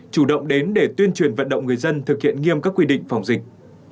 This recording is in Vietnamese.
chủ động đến để tuyên truyền vận động người dân thực hiện nghiêm các quy định phòng dịch